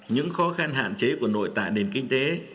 những khó khăn hạn chế của nội tạng đến kinh tế